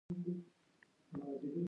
که ماشوم وخاندي، نو کور به روښانه شي.